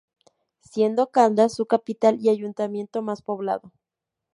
Siendo Caldas su capital y ayuntamiento más poblado.